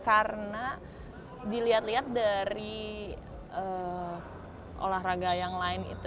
karena dilihat lihat dari olahraga yang lain itu